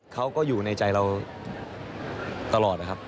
เขาก็อยู่ในใจเราตลอดนะครับ